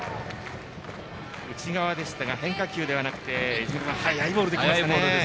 内側でしたが変化球ではなくていずれも速いボールできました。